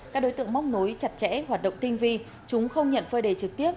các đối tượng móc nối chặt chẽ hoạt động tinh vi chúng không nhận phơi đề trực tiếp